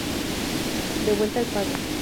De vuelta al pago